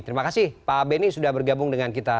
terima kasih pak benny sudah bergabung dengan kita